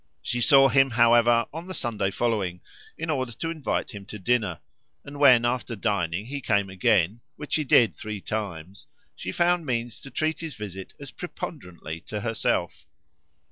She saw him, however, on the Sunday following, in order to invite him to dinner; and when, after dining, he came again which he did three times, she found means to treat his visit as preponderantly to herself.